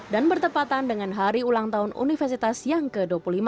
dan bertepatan dengan hari ulang tahun universitas yang ke dua puluh lima